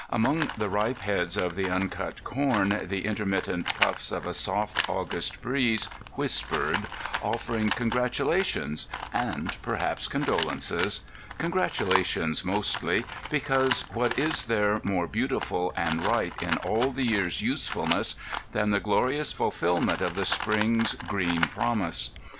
Among the ripe heads of the uncut corn the intermittent puffs of a soft August breeze whispered, offering congratulations and perhaps condolences—congratulations mostly, because what is there more beautiful and right in all the year's usefulness than the glorious fulfilment of the spring's green promise?